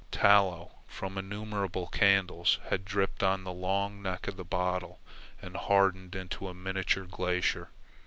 Tallow from innumerable candles had dripped down the long neck of the bottle and hardened into a miniature glacier.